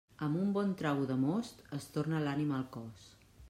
Amb un bon trago de most es torna l'ànima al cos.